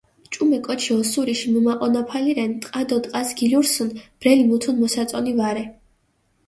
ჭუმე კოჩი ოსურიში მჷმაჸონაფალი რენ, ტყა დო ტყას გილურსჷნ, ბრელი მუთუნ მოსაწონი ვარე.